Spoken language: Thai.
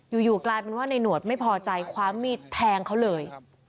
อยู่กลายเป็นว่าในหนวดไม่พอใจคว้ามีดแทงเขาเลย